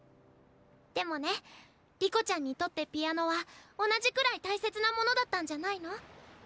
でもね梨子ちゃんにとってピアノは同じくらい大切なものだったんじゃないの？